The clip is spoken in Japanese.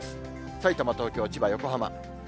さいたま、東京、千葉、横浜。